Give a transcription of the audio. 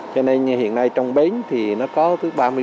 cho nên như hiện nay trong bến thì nó có thứ ba mươi bảy